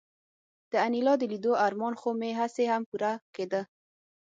د انیلا د لیدو ارمان خو مې هسې هم پوره کېده